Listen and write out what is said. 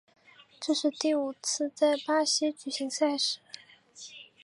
这是第五次在巴西举行赛事。